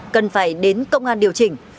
cần phải đến công an điều chỉnh